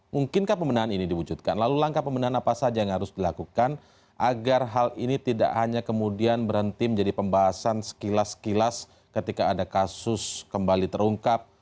mungkinkah pemenahan ini diwujudkan lalu langkah pemenahan apa saja yang harus dilakukan agar hal ini tidak hanya kemudian berhenti menjadi pembahasan sekilas sekilas ketika ada kasus kembali terungkap